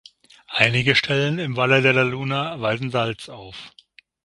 Einige Stellen im Valle de la Luna weisen Salz auf.